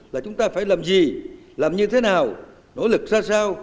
là chúng ta phải làm gì làm như thế nào nỗ lực ra sao